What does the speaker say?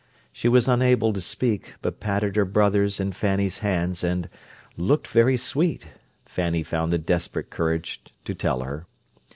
She was unable to speak, but patted her brother's and Fanny's hands and looked "very sweet," Fanny found the desperate courage to tell her.